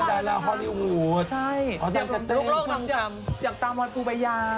อยากตามวันปูปายา